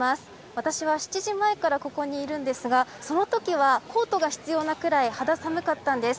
私は７時前から、ここにいるんですが、そのときはコートが必要なくらい肌寒かったんです。